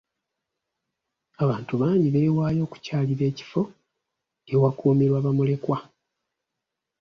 Abantu bangi beewaayo okukyalira ekifo ewakuumirwa bamulekwa.